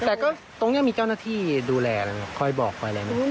แต่ก็ตรงนี้มีเจ้าหน้าที่ดูแลค่อยบอกค่อยอะไรมั้ย